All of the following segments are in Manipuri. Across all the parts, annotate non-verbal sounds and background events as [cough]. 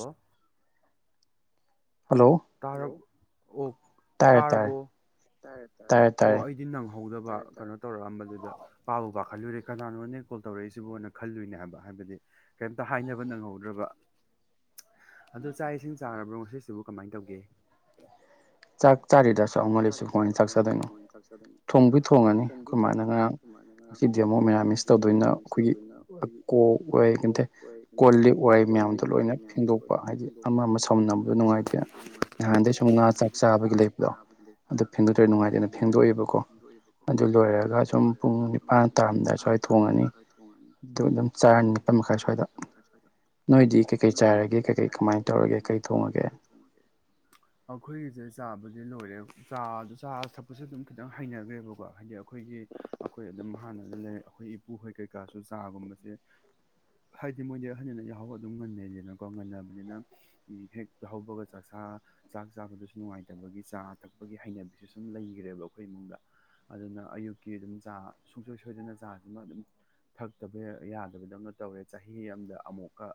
ꯑ ꯥꯔꯕ ꯑꯣ ꯇꯥꯔꯕꯣ ꯇ ꯑꯣ ꯑꯩꯗꯤ ꯅꯪꯉꯣ ꯎꯍꯧꯗꯕ ꯀꯩꯅꯣ ꯇꯧꯔꯛꯑꯝꯕꯗꯨꯗ ꯄꯥꯕꯨ ꯄꯥꯈꯠꯂꯨꯔꯦ ꯀꯅꯥꯅꯣꯅꯦ ꯀꯣꯜ ꯇꯧꯔꯛꯏꯁꯤꯕꯨꯅ ꯈꯜꯂꯨꯅꯦ ꯍꯥꯏꯕ ꯍꯥꯏ ꯍꯥꯏꯕꯗꯤ ꯀꯔꯤꯝꯇ ꯍꯥꯏꯅꯕ ꯅꯪꯍꯧꯗ꯭ꯔꯕ [inaudible] ꯑꯗꯣ ꯆꯥꯛ ꯏꯁꯤꯡ ꯆꯥꯔꯕ꯭ꯔꯣ ꯉꯁꯤꯁꯤꯕꯨ ꯀꯃꯥꯏꯅ ꯇꯧꯒꯦ ꯆꯥꯛ ꯆꯥꯔꯤꯗꯁꯨ ꯑꯜꯂꯤꯁꯨ ꯀꯃꯥꯏꯅ ꯆꯥꯛꯆꯗꯣꯏꯅꯣ ꯊꯣꯡꯕꯨ ꯊꯣꯡꯉꯅꯤ ꯑꯩꯈꯣꯏ ꯃꯥꯅ ꯉꯥꯔꯥꯡ ꯑꯃꯨꯛ ꯃꯦꯔꯥꯃꯤꯁ ꯇꯧꯗꯣꯏꯅ ꯑꯩꯈꯣꯏꯒꯤ ꯀꯣ ꯑꯣꯏ ꯀꯣꯜ ꯂꯤꯛ ꯋꯥꯏ ꯃꯌꯥꯝꯗꯣ ꯂꯣꯏꯅ ꯐꯦꯡꯗꯣꯛꯄ ꯍꯥꯏꯗꯤ ꯑꯃ ꯑꯃ ꯁꯥꯎꯝꯅꯕꯗ ꯅꯨꯡꯉꯥꯏꯇꯦ ꯅꯍꯥꯟꯗꯩ ꯁꯨꯝ ꯉꯥ ꯆꯥꯛ ꯆꯥꯕꯒꯤ ꯂꯩ ꯗꯣꯛ ꯅꯨꯡꯉꯥꯏꯅ ꯐꯦꯡꯗꯣꯛꯑꯦꯕꯀꯣ ꯑꯗꯨ ꯂꯣꯏꯔꯒ ꯁ ꯄ ꯅꯤ ꯆꯔꯝꯏ ꯁ꯭ꯋꯥꯏ ꯊꯣꯡꯉꯅꯤ ꯑꯗꯨ ꯑꯗꯨꯝ ꯆꯥꯔꯅꯤ ꯅꯤꯄꯥꯜ ꯃꯈꯥꯏ ꯁ꯭ꯋꯥꯏꯗ ꯅꯣꯏꯗꯤ ꯀꯩꯀꯩ ꯆꯥꯏꯔꯒꯦ ꯀꯩꯀꯩ ꯀꯃꯥꯏꯅ ꯇꯧꯔꯒꯦ ꯀꯩ ꯊꯣꯡꯉꯒꯦ ꯑꯈꯣꯏ ꯒꯤꯆꯦ ꯁꯤ ꯂꯣꯏꯔꯦ ꯆꯥ ꯆꯥ ꯊꯛꯄꯁꯦ ꯑꯗꯨꯝ ꯈꯤꯇꯪ ꯍꯩꯅꯈ꯭ꯔꯦꯕꯀꯣ ꯍꯥꯏꯗꯤ ꯑꯩꯈꯣꯏꯒꯤ ꯑꯩꯈꯣꯏ ꯑꯗꯨꯝ ꯍꯥꯟꯅ ꯑꯗꯨ ꯂꯩ ꯑꯩꯈꯣꯏ ꯏꯄꯨꯍꯣꯏ ꯀꯩꯀꯥꯁꯨ ꯆꯥꯒꯨꯝꯕꯁꯦ ꯍꯥꯏꯗꯤ ꯃꯣꯏꯗꯤ ꯍꯍꯟꯗꯅ ꯌꯥꯍꯧꯒ ꯑꯗꯨꯝ ꯉꯟꯅꯩꯗꯅꯀꯣ ꯉꯟꯅꯕꯅꯤꯅ ꯍꯦꯛ ꯌꯥꯎꯍꯧꯕꯒ ꯆꯥꯛ ꯆꯥ ꯆꯥꯛ ꯆꯥꯕꯗꯁꯨ ꯅꯨꯡꯉꯥꯏꯇꯕꯒꯤ ꯆꯥ ꯊꯛꯄꯒꯤ ꯍꯩꯅꯕꯤꯁꯨ ꯁꯨꯝ ꯂꯩꯈ꯭ꯔꯦꯕ ꯑꯩꯈꯣꯏ ꯏꯃꯨꯡꯗ ꯑꯗꯨꯅ ꯑꯌꯨꯛꯀꯤ ꯑꯗꯨꯝ ꯆꯥ ꯁꯨꯡꯁꯣꯏ ꯁꯣꯏ ꯑꯗꯨꯅ ꯆꯥꯁꯤꯃ ꯑꯗꯨꯝ ꯊꯛꯇꯕ ꯌꯥꯗꯕꯗꯧꯅ ꯇꯧꯋꯦ ꯆꯍꯤ ꯑꯃꯗ ꯑꯃꯨꯛꯀ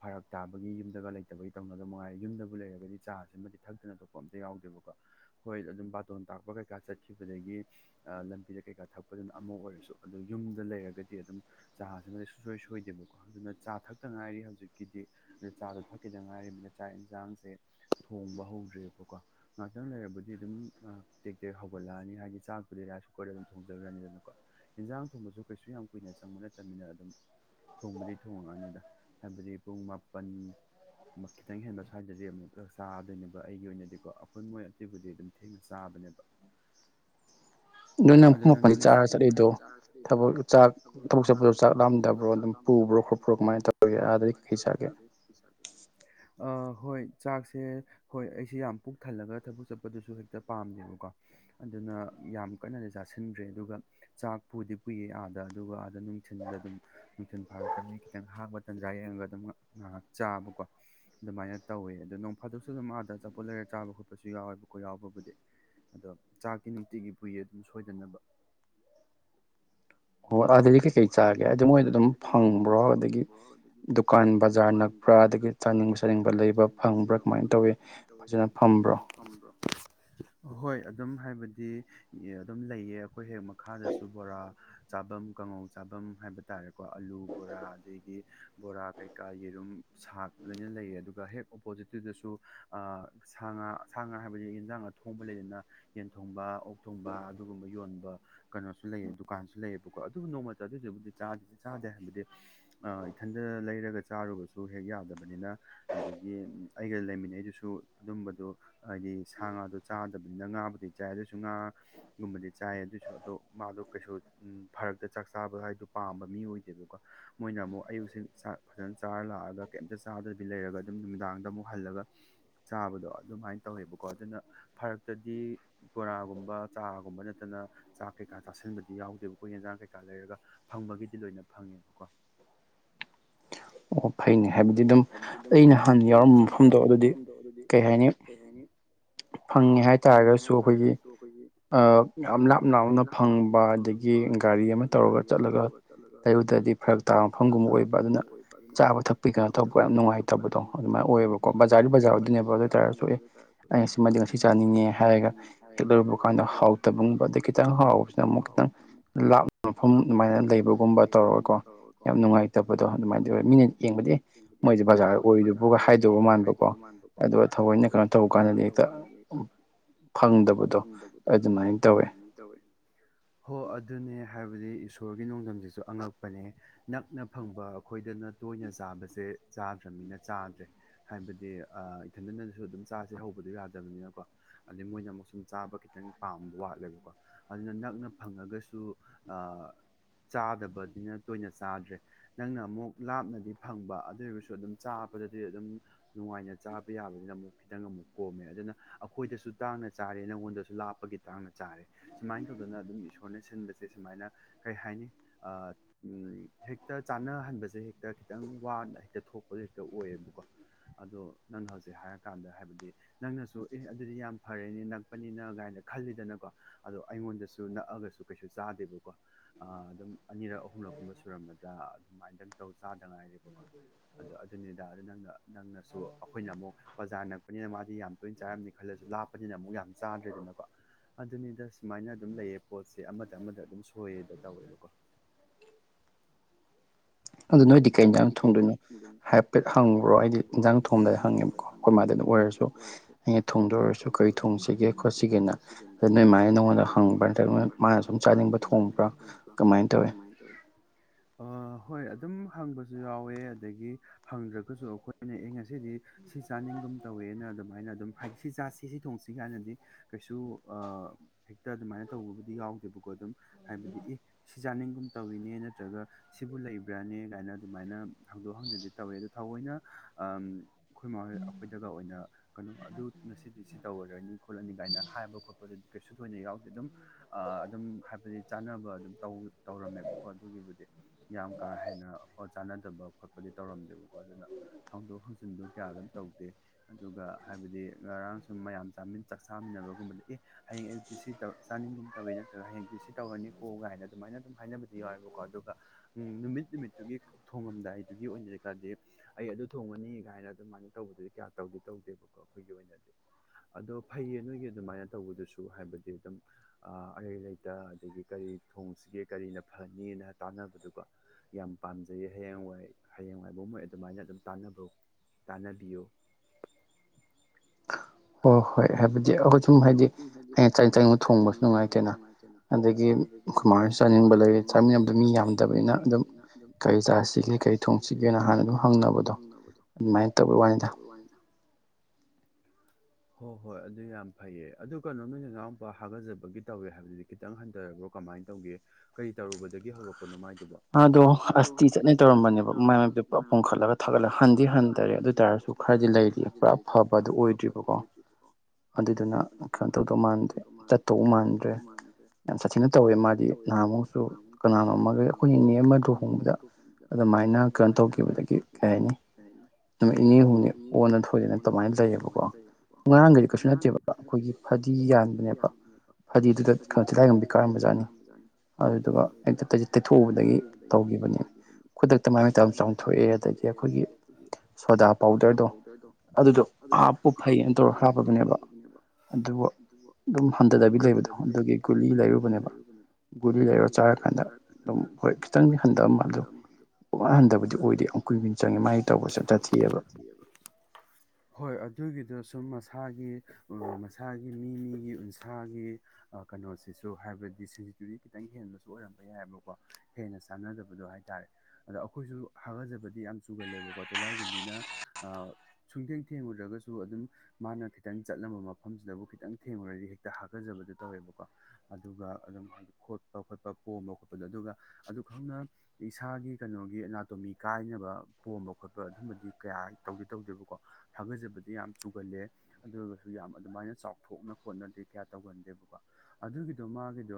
ꯐꯔꯛ ꯇꯥꯕꯒꯤ ꯌꯨꯝꯗꯒ ꯂꯩꯇꯕꯒꯤ ꯇꯧꯅꯗꯕ ꯉꯥꯏꯔꯦ ꯌꯨꯝꯗꯕꯨ ꯂꯩꯔꯒꯗꯤ ꯆꯥꯁꯤꯃꯗꯤ ꯊꯛꯇꯅ ꯇꯣꯞꯄ ꯑꯝ ꯌꯥꯎꯗꯦꯀꯣ [unintelligible] ꯍꯣꯏ ꯑꯗꯨꯝ ꯕꯥꯇꯣꯟ ꯇꯥꯛꯄ ꯀꯩꯀꯥ ꯆꯠꯈꯤꯕꯗꯒꯤ ꯂꯝꯕꯤꯗ ꯀꯩꯀꯥ ꯊꯛꯄꯗꯨꯅ ꯑꯃ ꯑꯣꯏꯔꯁꯨ ꯑꯗꯨ ꯌꯨꯝ ꯌꯨꯝꯗ ꯂꯩꯔꯒꯗꯤ ꯑꯗꯨꯝ ꯆꯥꯥꯁꯃꯗꯤ ꯁꯨꯡꯁꯣꯏ ꯁꯣꯏꯗꯦꯕꯀꯣ ꯑꯗꯨꯅ ꯆꯥ ꯊꯛꯇ ꯉꯥꯏꯔꯤ ꯍꯧꯖꯤꯛꯀꯤꯗꯤ ꯑꯗꯨꯗ ꯆꯥꯁꯨꯣ ꯊꯛꯀꯤꯗ ꯉꯥꯏꯔꯤꯕꯃꯤꯅꯤꯅ ꯆꯥꯛ ꯌꯦꯟꯁꯥꯡꯁꯦ ꯊꯣꯡꯕ ꯍꯧꯗ꯭ꯔꯦꯑꯕꯀꯣ ꯉꯍꯥꯛꯇꯪ ꯂꯩꯕꯨꯗꯤ ꯑꯗꯨꯝ ꯇꯦ ꯇꯦꯛ ꯍꯧꯒꯠꯂꯛꯑꯅꯤ ꯍꯥꯏꯗꯤ ꯆꯥꯛꯄꯨꯗꯤ ꯔꯥꯏꯁ ꯀꯨꯀꯔꯗ ꯑꯗꯨꯝ ꯊꯣꯡꯖꯈ꯭ꯔꯅꯤꯗꯅꯀꯣ ꯌꯦꯟꯖꯥꯡ ꯊꯣꯡꯕꯁꯨ ꯀꯩꯁꯨ ꯌꯥꯝ ꯀꯨꯏꯅ ꯆꯪꯕ ꯅꯠꯇꯕꯅꯤꯅ ꯑꯗꯨꯝ ꯊꯣꯡꯕꯗꯤ ꯊꯣꯡꯉꯀꯥꯡꯅꯤꯗ ꯍꯥꯏꯕꯗꯤ ꯄꯨꯡ ꯃꯥꯄꯜ ꯈꯤꯇꯪ ꯍꯦꯟꯕ ꯁ꯭ꯋꯥꯏꯗꯗꯤ ꯑꯃꯨꯛ ꯆꯥꯗꯣꯏꯅꯦꯕ ꯑꯩꯒꯤ ꯑꯣꯏꯅꯗꯤꯀꯣ ꯑꯩꯈꯣꯏ ꯃꯣꯏ ꯑꯇꯩꯕꯨꯗꯤ ꯑꯗꯨꯝ ꯊꯦꯡꯅ ꯆꯥꯕꯅꯦꯕ ꯅꯣꯏꯅ ꯄꯨꯡ ꯃꯥꯄꯟꯁꯤ ꯆꯥꯔ ꯆꯠꯂꯤꯗꯣ ꯊꯕ ꯆꯥꯛ ꯊꯕꯛ ꯆꯠꯄꯗꯣ ꯆꯥꯛ ꯂꯥꯝꯗꯕ꯭ꯔꯣꯝ [unintelligible] ꯍꯣꯏ ꯆꯥꯛꯁꯦ ꯍꯣꯏ ꯑꯩꯁꯦ ꯌꯥꯝ ꯊꯜꯂꯒ ꯊꯕꯛ ꯆꯠꯄꯗꯨꯁꯨ ꯍꯦꯛꯇ ꯄꯥꯝꯗꯦꯕꯀꯣ ꯑꯗꯨꯅ ꯌꯥꯝ ꯀꯟꯅꯗꯤ ꯆꯥꯁꯤꯟꯗ꯭ꯔꯦ ꯑꯗꯨꯒ ꯆꯥꯛ ꯄꯨꯗꯤ ꯄꯨꯏꯌꯦ ꯑꯥꯗ ꯑꯗꯨꯒ ꯑꯥꯗ ꯅꯨꯡꯊꯤꯟꯜꯗ ꯑꯗꯨꯝ ꯅꯨꯡꯊꯤꯟꯜ ꯐꯥꯔꯛꯇꯕꯅꯤ ꯈꯤꯇꯪ ꯍꯥꯞꯕ ꯇꯟꯖ꯭ꯔꯥ ꯉ ꯆꯥꯕꯀꯣ ꯑꯗꯨꯃꯥꯏꯅ ꯇꯧꯋꯦ ꯑ ꯅꯣꯡ ꯐꯥꯗꯣꯛꯁꯨ ꯑꯗꯨꯝ ꯑꯥꯗ ꯆꯠꯄ ꯂꯩꯔ ꯆꯥꯕ ꯈꯣꯠꯄꯁꯨ ꯌꯥꯎꯋꯦꯕꯀꯣ ꯌꯥꯎꯕꯕꯨꯗꯤ ꯑꯗꯣ ꯆꯥꯛꯀꯤ ꯅꯨꯡꯇꯤꯒꯤ ꯄꯨꯏꯌꯦ ꯑꯗꯨꯝ ꯁꯣꯏꯗꯅꯕ [unintelligible] ꯑꯣ ꯑꯗꯨꯗꯤ ꯀꯩꯀꯩ ꯆꯥꯒꯦꯗ ꯃꯣꯏꯗ ꯑꯗꯨꯝ ꯐꯪꯕ꯭ꯔꯣ ꯑꯗꯒꯤ ꯗꯨꯀꯥꯟ ꯕꯖꯥꯔ ꯅꯛꯄ꯭ꯔꯥ ꯀꯉꯛꯄ꯭ꯔꯥ ꯑꯗꯒꯤ ꯆꯥꯅꯤꯡ ꯆꯥꯅꯤꯡꯕ ꯂꯩꯕꯥ ꯐꯪꯕ꯭ꯔꯥ ꯀꯃꯥꯏꯅ ꯇꯧꯋꯤ ꯑꯗꯨꯅ ꯐꯪꯝꯕ꯭ꯔꯣ [unintelligible] ꯍꯣꯏ ꯑꯗꯨꯝ ꯍꯥꯏꯕꯗꯤ ꯑꯗꯨꯝ ꯂꯩꯌꯦ ꯑꯩꯈꯣꯏ ꯍꯦꯛ ꯃꯈꯥꯗꯁꯨ ꯕꯣꯔꯥ ꯆꯥꯐꯝ ꯀꯥꯡꯉꯧ ꯆꯥꯐꯝ ꯍꯥꯏꯕ ꯇꯥꯔꯦꯀꯣ ꯑꯂꯨ ꯕꯣꯔꯥ ꯑꯗꯒꯤ ꯕꯣꯔꯥ ꯀꯩꯀꯥ ꯌꯦꯔꯨꯝ ꯁꯥꯛ ꯂꯣꯏꯅ ꯂꯩꯌꯦ ꯑꯗꯨꯒ ꯍꯦꯛ ꯑꯣꯄꯣꯖꯤꯠꯇꯨꯗꯁꯨ ꯁꯥ ꯉꯥ ꯁꯥ ꯉꯥ ꯍꯥꯏꯕꯗꯤ ꯌꯦꯟꯁꯥꯡ ꯑꯊꯣꯡꯕ ꯂꯩ ꯑꯗꯨꯅ ꯌꯦꯟ ꯊꯣꯡꯕ ꯑꯣꯛ ꯊꯣꯡꯕ ꯑꯗꯨꯒꯨꯝꯕ ꯌꯣꯟꯕ ꯀꯩꯅꯣꯁꯨ ꯂꯩꯌꯦ ꯗꯨꯀꯥꯟꯁꯨ ꯂꯩꯌꯦꯕ ꯑꯗꯨ ꯅꯣꯡꯃꯇ ꯑꯗꯨꯗꯨꯕꯨꯗꯤ ꯆꯥ ꯆꯥꯗꯦ ꯍꯥꯏꯕꯗꯤ ꯏꯊꯟꯗ ꯂꯩꯔꯒ ꯆꯥꯔꯨꯕꯁꯨ ꯍꯦꯛ ꯌꯥꯗꯕꯅꯤꯅ ꯑꯗꯒꯤ ꯑꯩꯒ ꯂꯩꯃꯤꯟꯅꯩꯗꯨꯁꯨ ꯑꯗꯨꯝꯕꯗꯣ ꯍꯥꯏꯗꯤ ꯁꯥ ꯉꯥ ꯗꯣ ꯆꯥ ꯗꯕꯅꯤꯅ ꯉꯥꯕꯨꯗꯤ ꯆꯥꯏ ꯑꯗꯨꯁꯨ ꯉꯥꯒꯨꯝꯕꯗꯤ ꯆꯥꯏ ꯑꯗꯨꯁꯨ ꯑꯗꯣ ꯃꯥꯗꯣ ꯀꯩꯁꯨ ꯐꯔꯛꯇ ꯆꯥꯛ ꯆꯥꯕ ꯍꯥꯏꯕꯗꯨ ꯄꯥꯝꯕ ꯃꯤ ꯑꯣꯏꯗꯦꯕꯀꯣ ꯃꯣꯏꯅ ꯑꯃꯨꯛ ꯑꯌꯨꯛꯁꯤ ꯐꯖꯅ ꯆꯥꯔ ꯂꯥꯛꯑꯒ ꯀꯩꯝꯇ ꯆꯥꯗꯕꯤ ꯂꯩꯔꯒ ꯑꯗꯨꯝ ꯅꯨꯃꯤꯗꯥꯡꯗ ꯑꯃꯨꯛ ꯍꯜꯂꯒ ꯆꯥꯕꯗꯣ ꯑꯗꯨꯃꯥꯏꯅ ꯇꯧꯋꯦꯕꯀꯣ ꯑꯗꯨꯅ ꯐꯔꯛꯇꯗꯤ ꯕꯣꯔꯥꯒꯨꯝꯕ ꯆꯥꯒꯨꯝꯕ ꯅꯠꯇꯅ ꯆꯥꯛ ꯀꯩꯀꯥ ꯆꯥꯁꯤꯟꯕꯗꯤ ꯌꯥꯎꯗꯦꯕ ꯑꯩꯈꯣꯏ ꯌꯦꯟꯁꯥꯡ ꯀꯩꯀꯥ ꯂꯩꯔꯒ ꯐꯪꯕꯒꯤꯗꯤ ꯂꯣꯏꯅ ꯐꯪꯉꯦꯕꯀꯣ ꯑꯣ ꯐꯩꯅꯦ ꯍꯥꯏꯕꯗꯤ ꯑꯗꯨꯝ ꯑꯩꯅ ꯍꯥꯟꯅ ꯌꯥꯎꯔꯝꯕ ꯃꯐꯝꯗꯣ ꯑꯗꯨꯗꯤ ꯀꯩ ꯍꯥꯏꯅꯤ ꯐꯪꯉꯦ ꯍꯥꯏꯇꯥꯥꯔꯒꯁꯨ ꯑꯩꯈꯣꯏꯒꯤ ꯑ ꯌꯥꯝ ꯂꯥꯞ ꯂꯥꯞꯅ ꯐꯪꯕ ꯑꯗꯒꯤ ꯑꯗꯒꯤ ꯒꯥꯔꯤ ꯑꯃ ꯇꯧꯔꯒ ꯆꯠꯂꯒ ꯆꯠꯇꯔꯗꯤ ꯐꯔꯛ ꯇꯥꯕ ꯃꯐꯝꯗꯨ ꯑꯣꯏꯕ ꯆꯥꯕ ꯊꯛꯄꯤ ꯀꯩꯅꯣ ꯇꯧꯕ ꯌꯥꯝ ꯅꯨꯡꯉꯥꯏꯇꯕꯗꯣ ꯑꯗꯨꯃꯥꯏꯅ ꯑꯣꯏꯌꯦꯕꯀꯣ ꯕꯖꯥꯔꯗꯤ ꯕꯖꯥꯔ ꯑꯣꯏ ꯑꯗꯨꯣꯏꯅꯦꯕ ꯑꯗꯨ ꯑꯣꯏ ꯇꯥꯔꯁꯨ ꯑꯦ ꯑꯩꯩꯅ ꯁꯤꯃꯗꯤ ꯉꯁꯤ ꯆꯥꯅꯤꯡꯉꯤ ꯍꯥꯏꯔꯒ ꯍꯦꯛ ꯂꯧꯔꯨꯕ ꯀꯥꯟꯗ ꯍꯥꯎꯇꯕꯒꯨꯝꯕ ꯑꯗꯩ ꯈꯤꯇꯪ ꯍꯥꯎꯕꯁꯤꯅ ꯑꯃꯨꯛ ꯈꯤꯇꯪ ꯂꯥꯞꯅ ꯃꯐꯝ ꯑꯗꯨꯃꯥꯏꯅ ꯂꯩꯕꯒꯨꯝꯕ ꯇꯧꯔꯒꯀꯣ ꯌꯥꯝ ꯅꯨꯡꯉꯥꯏꯇꯕꯗꯣ ꯑꯗꯨꯃꯥꯏꯅ ꯑꯗꯨꯒ ꯃꯤꯅ ꯌꯦꯡꯕꯗꯤ ꯃꯣꯏꯗꯤ ꯕꯖꯥꯔ ꯑꯣꯏꯗꯕꯔꯣꯒ ꯍꯥꯏꯗꯧꯕ ꯃꯥꯟꯕꯀꯣ ꯑꯗꯨꯒ ꯊꯑꯣꯏꯅ ꯀꯩꯅꯣ ꯇꯧꯕ ꯀꯥꯟꯅꯗꯗꯤ ꯍꯦꯛꯇ ꯐꯪꯗꯕꯗꯣ ꯑꯗꯨꯃꯥꯏꯅ ꯇꯧꯋꯦ ꯍꯣ ꯑꯗꯨꯅꯦ ꯍꯥꯏꯕꯗꯤ ꯏꯁꯣꯔꯒꯤ ꯅꯣꯡꯗꯝꯁꯤꯁꯨ ꯑꯉꯛꯄꯅꯦ ꯅꯛꯅ ꯐꯪꯕ ꯑꯩꯈꯣꯏꯗꯅ ꯇꯣꯏꯅ ꯆꯥꯕꯁꯦ ꯆꯥꯗ꯭ꯔꯕꯅꯤꯅ ꯆꯥꯗ꯭ꯔꯦ ꯍꯥꯏꯕꯗꯤ ꯏꯊꯟꯗꯅꯁꯨ ꯑꯗꯨꯝ ꯆꯥꯁꯦ ꯍꯧꯕ ꯌꯥꯗꯕꯅꯤꯅꯀꯣ ꯑꯗꯩ ꯃꯣꯏꯅ ꯑꯃꯨꯛ ꯁꯨꯝ ꯆꯥꯕ ꯈꯤꯇꯪ ꯄꯥꯝꯕ ꯋꯥꯠꯂꯦꯕꯀꯣ ꯑꯗꯨꯅ ꯅꯛꯅ ꯐꯪꯉꯒꯁꯨ ꯑ ꯆꯥꯗꯕꯅꯤꯅ ꯇꯣꯏꯅ ꯆꯥꯗ꯭ꯔꯦ ꯅꯪꯅ ꯑꯃꯨꯛ ꯂꯥꯞꯅꯗꯤ ꯐꯪꯕ ꯑꯗꯨ ꯑꯣꯏꯔꯁꯨ ꯑꯗꯨꯝ ꯆꯥ ꯕꯗꯗꯤ ꯑꯗꯨꯝ ꯅꯨꯡꯉꯥꯏꯅ ꯆꯥꯕ ꯌꯥꯕꯅꯤꯅ ꯑꯃꯨꯛ ꯈꯤꯇꯪ ꯑꯃꯨꯛ ꯀꯣꯝꯃꯦ ꯑꯗꯨꯅ ꯑꯩꯈꯣꯏꯗꯁꯨ ꯇꯥꯡꯅ ꯆꯥ ꯔꯦꯉꯣꯟꯗ ꯂꯥꯞꯄꯒꯤ ꯇꯥꯡꯅ ꯆꯥꯔꯦ ꯁꯨꯃꯥꯏꯅ ꯇꯗꯅ ꯑꯗꯨꯝ ꯏꯁꯣꯔꯅ ꯁꯤꯟꯕꯁꯦ ꯁꯨꯃꯥꯏꯅ ꯀꯩ ꯍꯥꯏꯅꯤ ꯑ ꯍꯦꯛꯇ ꯆꯥꯟꯅꯍꯟꯕꯁꯦ ꯍꯦꯛꯇ ꯈꯤꯇꯪ ꯋꯥꯅ ꯍꯦꯛꯇ ꯊꯣꯛꯄꯗ ꯍꯦꯛꯇ ꯑꯣꯏꯌꯦꯕꯀꯣ ꯑꯗꯣ ꯅꯪꯅ ꯍꯧꯖꯤꯛ ꯍꯥꯏꯔꯀꯥꯟꯗ ꯍꯥꯏꯕꯗꯤ ꯅꯪꯅꯁꯨ ꯑꯦ ꯑꯗꯨꯗꯤ ꯌꯥꯝ ꯐꯔꯦꯅꯦ ꯅꯛꯄꯅꯤꯅ ꯀꯥꯏꯅ ꯈꯜꯂꯤꯗꯅꯀꯣ ꯑꯗꯣ ꯑꯩꯉꯣꯟꯗꯁꯨ ꯅꯛꯑꯒꯁꯨ ꯀꯩꯁꯨ ꯆꯥꯗꯦꯕꯀꯣ ꯑꯗꯨꯝ ꯑꯅꯤꯔꯛ ꯑꯍꯨꯝꯂꯛꯀꯨꯝꯕ ꯁꯨꯔꯝꯒꯗ꯭ꯔꯥ ꯑꯗꯨꯃꯥꯏꯅ ꯇꯧ ꯆꯥ ꯌꯦꯕꯀꯣ ꯑꯗꯣ ꯑꯗꯨꯅꯤꯗ ꯅꯪꯅꯁꯨ ꯑꯩꯈꯣꯏꯅ ꯑꯃꯨꯛ ꯕꯖꯥꯔ ꯅꯛꯄꯅꯤꯅ ꯃꯥ ꯌꯥꯝ ꯇꯣꯏꯅ ꯆꯥꯔꯝꯅꯤ ꯈꯜꯂꯁꯨ ꯂꯥꯞꯄꯅꯤꯅ ꯑꯃꯨꯛ ꯌꯥꯝ ꯆꯥꯗ꯭ꯔꯦꯗꯅꯀꯣ ꯑꯗꯨꯅꯤꯗ ꯁꯨꯃꯥꯏꯅ ꯑꯗꯨꯝ ꯂꯩꯌꯦ ꯄꯣꯠꯁꯦ ꯑꯃꯗ ꯑꯃꯗ ꯑꯗꯨꯝ ꯁꯣꯏꯌꯦꯗ ꯇꯧꯋꯦꯕꯀꯣ ꯑꯗꯨ ꯅꯣꯏꯗꯤ ꯀꯩ ꯏꯟꯖꯥꯡ ꯊꯣꯡꯗꯣꯏꯅꯣ ꯍꯥꯏꯐꯦꯠ ꯍꯪꯕ꯭ꯔꯣ ꯑꯩꯗꯤ ꯏꯟꯖꯥꯡ ꯊꯣꯡꯕꯗ ꯍꯪꯉꯦꯕꯀꯣ ꯑꯩꯈꯣꯏ ꯃꯥꯥꯗ ꯑꯣꯏꯔ ꯁꯨ ꯑꯩꯅ ꯊꯣꯡꯗ ꯑꯣꯏꯔꯁꯨ ꯀꯔꯤ ꯊꯣꯡꯁꯤꯒꯦ ꯈꯣꯠꯁꯤꯒꯦꯅ ꯑ ꯅꯣꯏꯃꯥꯅ ꯅꯉꯣꯟꯗ ꯍꯪꯕ꯭ꯔꯥ ꯅꯠꯇꯔꯒ ꯃꯥꯅ ꯁꯨꯝ ꯆꯥꯅꯤꯡꯕ ꯊꯣꯡꯕ꯭ꯔꯥ ꯀꯃꯥꯏꯅ ꯇꯧꯋꯤ ꯑ ꯍꯣꯏ ꯑꯗꯨꯝ ꯍꯪꯕꯁꯨ ꯌꯥꯎꯋꯦ ꯑꯗꯒꯤ ꯍꯪꯗ꯭ꯔꯒꯁꯨ ꯑꯩꯈꯣꯏꯅ ꯑꯦ ꯉꯁꯤꯗꯤ ꯁꯤ ꯆꯥꯅꯤꯡꯒꯨꯝ ꯇꯧꯋꯦꯅ ꯑꯗꯨꯃꯥꯏꯅ ꯑꯗꯨꯝ ꯍꯥꯏꯗꯤ ꯁꯤ ꯆꯥ ꯁꯤ ꯁꯤ ꯊꯣꯡꯁꯤ ꯀꯥꯏꯅꯗꯤ ꯀꯩꯁꯨ ꯍꯦꯛꯇ ꯑꯗꯨꯃꯥꯏꯅ ꯇꯧꯕꯕꯨꯗꯤ ꯌꯥꯎꯗꯦꯕꯀꯣ ꯑꯗꯨꯝ ꯍꯥꯏꯕꯗꯤ ꯑꯦ ꯁꯤ ꯆꯥꯅꯤꯡꯒꯨꯝ ꯇꯧꯋꯅꯦ ꯅꯠꯇ꯭ꯔꯒ ꯁꯤꯕꯨ ꯂꯩꯕ꯭ꯔꯥꯅꯦ ꯀꯥꯏꯅ ꯑꯗꯨꯃꯥꯏꯅ ꯍꯡꯗꯣꯛ ꯍꯟꯖꯤꯟꯗꯤ ꯇꯧꯋꯦ ꯑꯗꯣ ꯊꯑꯣꯏꯅ ꯑ ꯑꯩꯈꯣꯏ ꯃꯥ ꯍꯣꯏ ꯑꯩꯈꯣꯏꯗꯒ ꯑꯣꯏꯅ ꯀꯩꯅꯣ ꯑꯗꯨ ꯉꯁꯤꯗꯤ ꯁꯤ ꯇꯧꯔꯔꯅꯤ ꯈꯣꯠꯂꯅꯤ ꯀꯥꯏꯅ ꯍꯥꯏꯕ ꯈꯣꯠꯄꯗꯗꯤ ꯀꯩꯁꯨ ꯊꯣꯏꯅ ꯌꯥꯎꯗꯦ ꯑꯗꯨꯝ ꯑꯗꯨꯝ ꯍꯥꯏꯕꯗꯤ ꯆꯥꯅꯕ ꯑꯗꯨꯝ ꯇꯧꯔꯝꯃꯦꯕꯀꯣ ꯑꯗꯨꯒꯤꯕꯨꯗꯤ ꯌꯥꯝ ꯀꯥ ꯍꯦꯟꯅ ꯑꯣ ꯆꯥꯟꯅꯗꯕ ꯈꯣꯠꯄꯗꯤ ꯇꯧꯔꯝꯗꯦꯕꯀꯣ ꯑꯗꯨꯅ ꯍꯡꯗꯣꯛ ꯍꯡꯖꯤꯟꯗꯣ ꯀꯌꯥ ꯑꯗꯨꯝ ꯇꯧꯗꯦ ꯑꯗꯨꯒ ꯍꯥꯏꯕꯗꯤ ꯉꯔꯥꯡ ꯁꯨꯝ ꯃꯌꯥꯝ ꯆꯥꯛ ꯆꯃꯤꯟꯅꯕꯒꯨꯝꯕꯗ ꯑꯦ ꯍꯌꯦꯡ ꯑꯌꯨꯛꯇ ꯆꯥꯅꯤꯡꯕꯨꯝ ꯇꯧꯋ‌ꯦ ꯁꯤ ꯅꯠꯇꯔꯒ ꯍꯌꯦꯡꯗꯤ ꯁꯤ ꯇꯧꯔꯅꯤꯀꯣꯒ ꯑꯗꯨꯃꯥꯏꯅ ꯍꯥꯌꯅꯕꯗꯤ ꯌꯥꯎꯋꯦꯕꯀꯣ ꯅꯨꯃꯤꯠ ꯅꯨꯃꯤꯠꯇꯨꯒꯤ ꯊꯣꯡꯉꯝꯗꯥꯏꯗꯨꯒꯤ ꯑꯣꯏꯅꯗꯤ ꯀꯩ ꯀꯥꯗꯤ ꯑꯩ ꯑꯗꯨ ꯊꯣꯡꯒꯅꯤ ꯀꯥꯏꯅ ꯑꯗꯨꯃꯥꯏꯅ ꯇꯧꯕꯗꯨꯗꯤ ꯀꯌꯥ ꯇꯧꯗꯦ ꯇꯧꯗꯦꯕ [inaudible] ꯑꯗꯣ ꯐꯩꯌꯦ ꯅꯣꯏꯒꯤ ꯑꯗꯨꯃꯥꯏꯅ ꯇꯧꯕꯗꯨꯁꯨ ꯍꯥꯏꯕꯗꯤ ꯑꯗꯨꯝ ꯑꯔꯩ ꯂꯩꯇ ꯑꯗꯒꯤ ꯀꯔꯤ ꯊꯣꯡꯁꯤꯒꯥ ꯀꯔꯤꯅ ꯐꯅꯤꯅ ꯇꯥꯟꯅꯕꯗꯨꯒꯣ ꯌꯥꯝ ꯄꯥꯝꯖꯩꯌꯦ ꯍꯌꯦꯡꯋꯥꯏ ꯍꯌꯦꯡꯋꯥꯏꯐꯧ ꯃꯣꯏ ꯑꯗꯨꯃꯥꯏꯅ ꯑꯗꯨꯝ ꯇꯥꯟꯅꯕꯥ ꯇꯥꯟꯅꯥꯕꯤꯌꯨ ꯍꯣꯏ ꯍꯣꯏ ꯍꯥꯏꯕꯗꯤ ꯑꯩꯈꯣꯏ ꯁꯨꯝ ꯍꯥꯏꯗꯤ ꯑꯩꯅ ꯇꯥꯏ ꯇꯥꯏꯕ ꯊꯣꯡꯕꯁꯨ ꯅꯨꯡꯉꯥꯏꯇꯦꯅ ꯑꯗꯒꯤ ꯈꯨꯃꯥꯔꯁꯨ ꯆꯥꯅꯤꯡꯕ ꯂꯩ ꯆꯥꯅꯤꯡꯕꯗ ꯃꯤ ꯌꯥꯝꯗꯕꯅꯤꯅꯥ ꯑꯗꯨꯝ ꯀꯔꯤ ꯆꯥꯁꯤꯒꯦ ꯀꯔꯤ ꯊꯣꯡꯁꯤꯒꯦ ꯊꯣꯡꯁꯤꯒꯦꯅ ꯍꯥꯟꯅ ꯑꯗꯨꯝ ꯍꯪꯅꯕꯗꯣ ꯑꯗꯨꯃꯥꯏꯅ ꯇꯕ ꯋꯥꯅ ꯍꯣꯏ ꯍꯣꯏ ꯑꯗꯨ ꯌꯥꯝ ꯐꯩꯌꯦ ꯑꯗꯨ ꯀꯩꯅꯣ ꯅꯣꯏ ꯃꯅꯥꯎ ꯃꯄꯥ ꯍꯥꯒꯠꯖꯕꯒꯤ ꯇꯧꯋꯦ ꯍꯥꯏꯕꯗꯨꯗꯤ ꯈꯤꯇꯪ ꯍꯟꯊꯔꯕ꯭ꯔꯣ ꯀꯃꯥꯏ ꯇꯧꯒꯦ ꯀꯔꯤ ꯇꯧꯔꯨꯗꯒꯤ ꯍꯧꯔꯛꯄ ꯥꯏ ꯑꯗꯣ ꯑꯁꯇꯤ ꯆꯠꯅꯩ ꯇꯧꯔꯝꯕꯅꯦꯕꯥꯏ ꯄꯄ ꯄꯨꯝꯈꯠꯂꯒ ꯊꯥꯒꯠꯂꯛꯍꯟꯗꯦ ꯑꯗꯨ ꯇꯥꯔꯁꯨ ꯈꯔꯗꯤ ꯂꯩꯔꯤ ꯄꯨꯔꯥ ꯐꯕ ꯑꯗꯨ ꯑꯣꯏꯗ꯭ꯔꯤꯕꯀꯣ ꯑꯗꯨꯏꯗꯨꯅ ꯀꯩꯅꯣ ꯇꯧꯗꯧ ꯃꯥꯟꯗꯦ ꯆꯠꯇꯧ ꯃꯥꯟꯗ꯭ꯔꯦ ꯌꯥꯝ ꯆꯊꯤꯅ ꯇꯧꯋꯦ ꯃꯥꯗꯤ ꯅꯍꯥꯃꯨꯛꯁꯨ ꯀꯅꯥꯅꯣ ꯑꯃꯒꯤꯒ ꯑꯩꯈꯣꯏ ꯅꯦ ꯑꯃ ꯂꯨꯍꯣꯡꯕꯗ ꯑꯗꯨꯃꯥꯏꯅ ꯀꯩꯅꯣ ꯇꯧꯈꯤꯕꯗꯒꯤ ꯀꯩ ꯍꯥꯏꯅꯤ ꯅꯨꯃꯤꯠ ꯅꯤꯅꯤ ꯍꯨꯝꯅꯤ ꯑꯣꯟꯅ ꯊꯣꯏꯗꯦꯅ ꯑꯗꯨꯃꯥꯏꯅ ꯂꯩꯌꯦꯕꯀꯣ ꯉꯔꯥꯡꯒꯩꯗꯤ ꯀꯩꯁꯨ ꯅꯠꯇꯦꯕ ꯑꯩꯈꯣꯏꯒꯤ ꯐꯗꯤ ꯌꯥꯟꯕꯅꯦꯕ ꯐꯗꯤꯗꯨꯗ ꯀꯩꯅꯣꯇꯤꯂꯥꯏꯔꯝꯕꯤ ꯀꯥꯔꯝꯕ ꯖꯥꯠꯅꯤ ꯀꯔꯝꯕꯖꯥꯅꯤ ꯑꯗꯨꯗꯨꯒꯥ [unintelligible] ꯊꯨꯕꯗꯒꯤ ꯇꯧꯈꯤꯕꯅꯤ ꯈꯨꯗꯛꯇ ꯃꯥꯏꯅ ꯃꯇꯝ ꯃꯇꯝ ꯆꯥꯝꯊꯣꯛꯑꯦ ꯑꯗꯒꯤ ꯑꯩꯈꯣꯏꯒꯤ ꯁꯣꯗꯥ ꯄꯥꯎꯗꯔꯗꯣ ꯑꯗꯨꯗꯣꯞ ꯐꯩꯌꯦꯅ ꯇꯧꯔꯒ ꯍꯥꯔꯞꯄꯕꯅꯦꯕ ꯑꯗꯨꯒ ꯑꯗꯨꯝ ꯍꯟꯊꯗꯕꯤ ꯂꯩꯕꯗꯣ ꯑꯗꯨꯒꯤ ꯒꯨꯂꯤ ꯂꯩꯔꯨ ꯕ ꯒꯨꯂꯤ ꯂꯩꯔꯣ ꯆꯥꯔꯀꯥꯟꯗ ꯑꯗꯨꯝ ꯍꯣꯏ ꯈꯤꯇꯪꯗꯤ ꯍꯟꯊꯕ ꯃꯥꯜꯂꯨ ꯄꯣꯛ ꯍꯟꯊꯕꯗꯤ ꯑꯣꯏꯗꯦ ꯌꯥꯝ ꯀꯨꯏꯕꯤꯅ ꯆꯪꯉꯦ ꯃꯥꯥꯏ ꯇꯧꯕꯁꯨ ꯆꯊꯤꯑꯕ ꯍꯣꯏ ꯑꯗꯨ ꯑꯗꯨꯒꯤꯗꯨ ꯁꯨꯝ ꯃꯁꯥꯒꯤ ꯃꯁꯥꯒꯤ ꯃꯤ ꯃꯤꯒꯤ ꯎꯟꯁꯥꯒꯤ ꯀꯩꯅꯣꯁꯤ ꯁꯨ ꯍꯥꯏꯕꯗꯤ ꯁꯦꯟꯁꯤꯇꯤꯔꯤꯇꯤ ꯈꯤꯇꯪ ꯍꯦꯟꯕꯁꯨ ꯑꯣꯏꯔꯝꯕ ꯌꯥꯏꯑꯕꯀꯣ ꯍꯦꯟꯅ ꯆꯥꯟꯅꯗꯕꯗꯣ ꯍꯥꯏꯇꯥꯔꯦꯗꯥ ꯑꯩꯈꯣꯏꯁꯨ ꯍꯥꯒꯠꯖꯕꯗꯤ ꯌꯥꯝꯅ ꯆꯨꯒꯜꯂꯦꯕꯀꯣ ꯇꯦꯍꯥꯏꯒꯨꯝꯕꯤꯅ ꯁꯨꯡꯊꯦꯡ ꯊꯦꯡꯉꯨꯗ꯭ꯔꯒꯁꯨ ꯁꯨ ꯑꯗꯨꯝ ꯃꯥꯅ ꯈꯤꯇꯪ ꯆꯠꯂꯝꯕ ꯃꯐꯝꯁꯤꯗꯕꯨ ꯈꯤꯇꯪ ꯊꯦꯡꯉꯨꯔꯗꯤ ꯍꯦꯛꯇ ꯍꯥꯀꯠꯆꯕꯗꯨꯣ ꯇꯧꯋꯦꯕꯀꯣ ꯑꯗꯨꯒ ꯑꯗꯨꯝ ꯍꯥꯏꯗꯤ ꯈꯣꯠꯄ ꯈꯣꯠꯄ ꯄꯣꯝꯕ ꯈꯣꯠꯄꯗꯣ ꯑꯗꯨꯒ ꯑꯗꯨ ꯈꯪꯅ ꯏꯁꯥꯒꯤ ꯀꯩꯅꯣ ꯒꯤ ꯑꯦꯅꯥꯇꯣꯃꯤ ꯀꯥꯏꯅꯕ ꯄꯣꯝꯕ ꯈꯣꯠꯄ ꯑꯗꯨꯝꯕꯗꯤ ꯀꯌꯥ ꯇꯧꯗꯦ ꯇꯧꯗꯦꯕꯀꯣ ꯊꯒꯖꯕ ꯌꯥꯝ ꯇꯨꯒꯜꯂꯦ ꯑꯗꯨ ꯑꯣꯏꯔꯒꯁꯨ ꯌꯥꯝ ꯑꯗꯨꯃꯥꯏꯅ ꯆꯥꯎꯊꯣꯛꯅ ꯈꯣꯠꯅꯗꯤꯦ ꯀꯌꯥ ꯇꯧꯒꯟꯗꯦꯕꯀꯣ ꯑꯗꯨ ꯒꯤꯗꯣ ꯃꯥꯒꯤꯗꯣ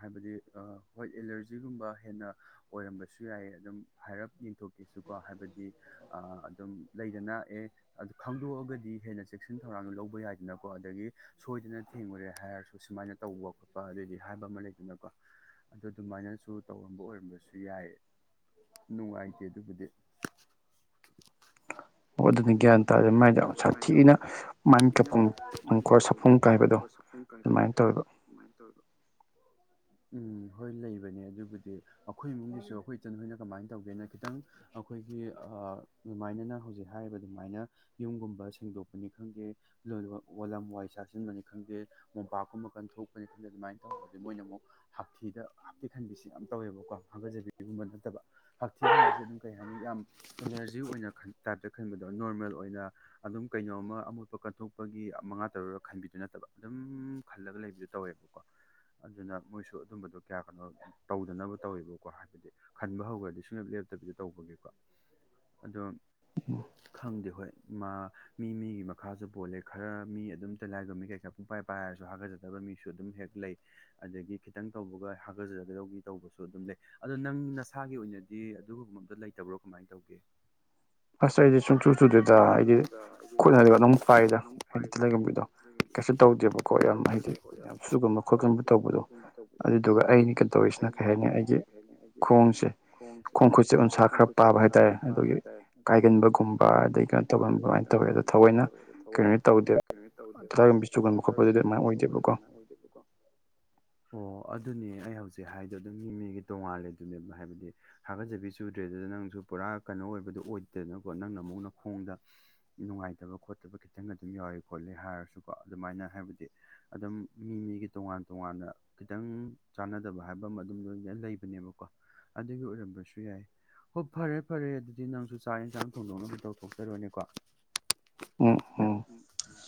ꯍꯥꯏꯕꯗꯤ ꯍ꯭ꯋꯥꯏꯠ ꯑꯦꯂꯔꯖꯤꯒꯨꯝꯕ ꯍꯦꯟꯅ ꯑꯣꯏꯔꯝꯕꯁꯨ ꯌꯥꯏꯌꯦ ꯑꯗꯨꯝ ꯍꯥꯏꯔꯞ ꯌꯦꯡꯊꯣꯛꯀꯦꯁꯨꯀꯣ ꯍꯥꯏꯕꯗꯤ ꯑꯗꯨꯝ ꯂꯩꯗꯅ ꯑꯦ ꯑꯗꯨ ꯈꯪꯗꯣꯛꯑꯒ ꯗꯤ ꯍꯦꯟꯅ ꯆꯦꯛꯁꯤꯟ ꯊꯧꯔꯥꯡ ꯂꯧꯕ ꯌꯥꯏꯗꯅꯀꯣ ꯑꯗꯒꯤ ꯁꯣꯏꯗꯅ ꯊꯦꯡꯉꯨꯔꯦ ꯍꯥꯏꯔꯁꯨ ꯁꯨꯃꯥꯏꯅ ꯇꯧꯕ ꯈꯣꯄ ꯑꯗꯨꯏꯗꯤ ꯍꯥꯏꯕ ꯑꯃ ꯂꯩꯗꯅꯀꯣ ꯑꯗꯨꯗ ꯑꯗꯨꯃꯥꯏꯅꯁꯨ ꯇꯧꯔꯝꯕ ꯑꯣꯏꯔꯝꯕꯁꯨ ꯌꯥꯏ ꯅꯨꯡꯉꯥꯏꯇꯦ ꯑꯗꯨꯕꯨꯗꯤ [unintelligible] ꯀꯥꯏꯕꯗꯣ ꯑꯗꯨꯃꯥꯏꯅ ꯇꯧꯔꯗ ꯎꯝ ꯍꯣꯏ ꯂꯩꯕꯅꯦ ꯑꯗꯨꯕꯨꯗꯤ ꯑꯩꯈꯣꯏ ꯏꯃꯨꯡꯒꯤꯁꯨ ꯑꯩꯈꯣꯏ ꯏꯆꯟꯣꯏꯅ ꯀꯃꯥꯏꯅ ꯇꯧꯒꯦꯅ ꯈꯤꯇꯪ ꯑꯩꯈꯣꯏꯒꯤ ꯑꯗꯨꯃꯥꯏꯅ ꯍꯧꯛ ꯍꯥꯏ ꯑꯗꯨꯃꯥꯏꯅ ꯌꯨꯝꯒꯨꯝꯕ ꯁꯦꯡꯗꯣꯛꯄꯅꯤ ꯈꯪꯗꯦ ꯋꯥꯂꯝ ꯋꯥꯏ ꯆꯥꯁꯤꯟꯕꯅꯤ ꯈꯪꯗꯦ ꯝꯄꯥꯛꯀꯨꯝ ꯀꯊꯣꯛꯄꯅꯤ ꯈꯦ ꯑꯗꯨꯃꯥꯏꯅ ꯇꯧꯔꯒꯗꯤ ꯃꯣꯏꯅ ꯑꯃꯨꯛ ꯍꯛꯊꯤꯗ ꯍꯊꯤ ꯈꯟꯕꯤꯁ ꯌꯥꯝ ꯇꯧꯋꯦꯕꯀꯣ ꯠꯇ ꯍꯛꯊꯤ ꯈꯟ ꯑꯗꯨ ꯍꯥꯏꯅꯤ ꯈꯟꯕꯗꯣ ꯅꯣꯔꯃꯦꯜ ꯑꯣꯏꯅ ꯑꯗꯨꯝ ꯀꯩꯅꯣꯝꯃ ꯑꯃꯣꯠꯄ ꯀꯠꯊꯣꯛꯄꯒꯤ ꯃꯉꯥ ꯇꯧꯔꯨꯔꯒ ꯈꯟꯕꯤꯗꯨ ꯅꯠꯇꯕ ꯑꯗꯨꯝ ꯁꯝ ꯈꯜꯂꯒ ꯂꯩꯕꯗ ꯇꯧꯋꯦꯕꯀꯣ ꯑꯗꯨꯅ ꯃꯣꯏꯁꯨ ꯑꯗꯨꯝꯕꯗꯣ ꯀꯌꯥ ꯀꯅꯣ ꯇꯧꯗꯅꯕ ꯇꯧꯋꯦꯕꯀꯣ ꯍꯥꯏꯕꯗꯤ ꯈꯟꯕ ꯍꯧꯈ꯭ꯔꯗꯤ ꯁꯨꯡꯂꯦꯞ ꯂꯦꯞꯇꯕꯤꯗ ꯇꯧꯕꯒꯤꯦꯀꯣ ꯑꯗꯣ ꯈꯪꯗꯦ ꯍꯣꯏ ꯃꯥ ꯃꯤ ꯃꯤꯒꯤ ꯃꯈꯥꯁꯨ ꯄꯣꯜꯂꯦ ꯈꯔ ꯃꯤ ꯑꯗꯨꯝꯇꯂꯥꯏꯕ ꯃꯤ ꯀꯩꯀꯥ ꯄꯨꯡꯄꯥꯏ ꯄꯥꯏꯔꯁꯨ ꯁꯨ ꯍꯥꯒꯖꯗꯕ ꯃꯤꯁꯨ ꯑꯗꯨꯝ ꯍꯦꯛ ꯂꯩ ꯑꯗꯒꯤ ꯈꯤꯇꯪ ꯇꯧꯕꯒ ꯍꯥꯒꯠꯆꯒꯗꯧꯒꯤ ꯇꯧꯕꯁꯨ ꯑꯗꯨꯝ ꯂꯩ ꯑꯗꯣ ꯅꯪ ꯅꯁꯥꯒꯤ ꯑꯣꯏꯅꯗꯤ ꯑꯗꯨꯒꯨꯝꯕ ꯑꯝꯇ ꯂꯩꯇꯕ꯭ꯔꯣ ꯀꯃꯥꯏꯅ ꯇꯧꯒꯦ [inaudible] ꯑꯁ ꯑꯩꯗꯤ ꯁꯨꯡꯆꯨ ꯁꯇꯨꯗꯨꯗ ꯑꯩꯗꯤ ꯈꯨꯣꯠꯅ ꯑꯗꯨꯝ ꯄꯥꯏꯗ ꯍꯥꯏꯗꯤ ꯇ ꯂꯩꯒꯝꯕꯤꯗꯣ ꯀꯩꯁꯨ ꯇꯧꯗꯦꯕꯀꯣ ꯌꯥꯝ ꯍꯥꯏꯗꯤ ꯌꯥꯝ ꯁꯨꯒꯨꯝꯕ ꯈꯣꯠꯀꯨꯝꯕ ꯇꯧꯕꯗꯣ ꯑꯗꯨꯗꯨꯒ ꯑꯩꯩꯅ ꯀꯩꯅꯇꯧ ꯀꯁꯅ ꯀꯩ ꯍꯥꯏꯅꯤ ꯑꯩꯒꯤ ꯈꯣꯡꯁꯦ ꯈꯣꯡ ꯈꯨꯨꯠꯁꯦ ꯎꯟꯁꯥ ꯈꯔ ꯄꯥꯕ ꯍꯥꯏꯇꯥꯔꯦ ꯑꯗꯨꯗꯒꯤ ꯀꯥꯏꯒꯟꯕꯒꯨꯝꯕ ꯀꯥꯏꯒꯟꯕꯒꯨꯝꯕ ꯑꯗꯩ ꯀꯩꯅꯣ ꯇꯧꯕꯒ ꯑꯗꯨꯃꯥꯏꯅ ꯇꯧꯋꯦ ꯑꯗꯣ ꯊꯑꯣꯏꯅ ꯀꯩꯅꯣꯅꯤ ꯇꯧꯗꯦꯕ ꯃꯥꯏ ꯑꯣꯏꯗꯦꯕꯀꯣ ꯑꯣ ꯑꯗꯨꯅꯦ ꯑꯩ ꯍꯧꯖꯤꯛ ꯍꯥꯏꯗꯣ ꯑꯗꯨꯝ ꯃꯤ ꯃꯤꯒꯤ ꯇꯣꯡꯉꯥꯜꯂꯦ ꯑꯗꯨꯅꯦꯕ ꯍꯥꯏꯕꯗꯤ ꯍꯥꯒꯠꯆꯕꯤ ꯆꯨꯗ꯭ꯔꯦ ꯑꯗꯨꯗ ꯅꯪꯁꯨ ꯄꯨꯔꯥ ꯀꯩꯅꯣ ꯑꯣꯏꯕꯗꯨ ꯑꯣꯏꯗꯦꯗꯅꯀꯣ ꯅꯪꯅ ꯑꯃꯨꯛꯅ ꯈꯣꯡꯗ ꯅꯨꯡꯉꯥꯏꯇꯕ ꯈꯣꯠꯇꯕ ꯈꯤꯇꯪ ꯑꯗꯨꯝ ꯌꯥꯎꯔꯤ ꯈꯣꯠꯂꯤ ꯍꯥꯏꯔꯁꯨꯀꯣ ꯑꯗꯨꯃꯥꯏꯅ ꯍꯥꯏꯕꯗꯤ ꯑꯗꯨꯝ ꯃꯤ ꯃꯤꯒꯤ ꯇꯣꯉꯥꯟ ꯇꯣꯉꯥꯟꯅ ꯈꯤꯇꯪ ꯆꯥꯟꯅꯗꯕ ꯍꯥꯏꯕ ꯑꯃ ꯑꯗꯨꯝ ꯂ ꯂꯩꯕ ꯣ ꯑꯗꯨꯒꯤ ꯑꯣꯏꯔꯝꯕꯁꯨ ꯌꯥꯏ ꯍꯣꯏ ꯐꯔꯦ ꯐꯔꯦ ꯑꯗꯨꯗꯤ ꯅꯪꯁꯨ ꯆꯥꯛ ꯌꯦꯟꯁꯥꯡ ꯊꯣꯡꯗꯣꯛꯅꯕ ꯇꯧꯊꯣꯛꯆꯔꯨꯅꯤꯀꯣ ꯎꯝ ꯎꯝ ꯎꯝ ꯎ